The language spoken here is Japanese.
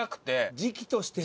時期としてね。